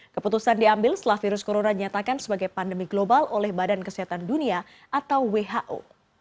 keputusan diambil setelah virus corona dinyatakan sebagai pandemi global oleh badan kesehatan dunia atau who